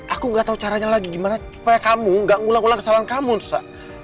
aku gak tau caranya lagi gimana supaya kamu gak ngulang ngulang kesalahan kamu nusa